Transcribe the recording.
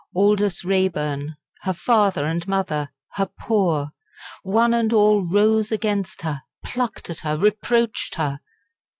Aldous Raeburn, her father and mother, her poor one and all rose against her plucked at her reproached her.